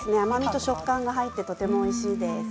食感が入ってとてもおいしいです。